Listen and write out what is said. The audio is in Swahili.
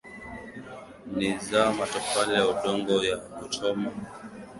ni za matofali ya udongo ya kuchoma na kuezekwa kwa bati hata hivyo nyumba